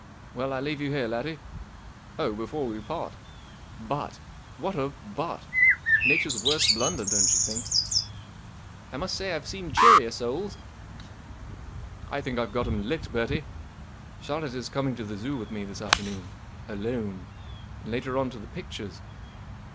Well, I leave you here, laddie. Oh, before we part— Butt ! What of Butt ? Nature's worst blunder, don't you think ?"" 1 must say I've seen cheerier souls." " I think I've got him licked, Bertie* Charlotte is coming to the Zoo with me this afternoon. Alone. And later on to the pictures.